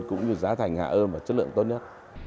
cũng như giá thành hạ ơ và chất lượng tốt nhất